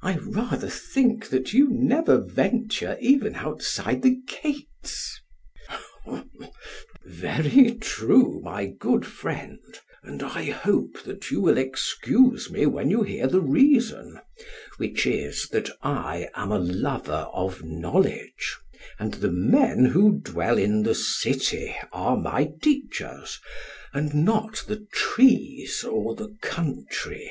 I rather think that you never venture even outside the gates. SOCRATES: Very true, my good friend; and I hope that you will excuse me when you hear the reason, which is, that I am a lover of knowledge, and the men who dwell in the city are my teachers, and not the trees or the country.